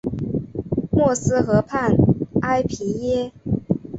默斯河畔埃皮耶。